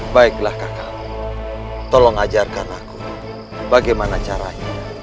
baiklah kakak tolong ajarkan aku bagaimana caranya